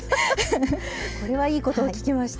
これはいいことを聞きました。